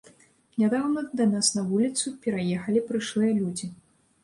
Нядаўна да нас на вуліцу пераехалі прышлыя людзі.